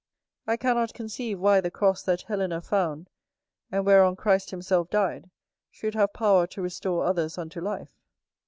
I cannot conceive why the cross that Helena found, and whereon Christ himself died, should have power to restore others unto life.